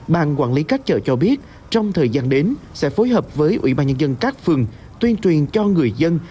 bàn quản lý các chợ cho biết trong thời gian đến sẽ phối hợp với ủy ban nhân dân các phường tuyên truyền cho người dân